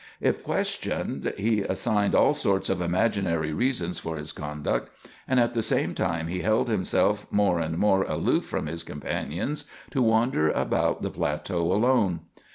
If questioned, he assigned all sorts of imaginary reasons for his conduct, and at the same time he held himself more and more aloof from his companions, to wander about the plateau alone.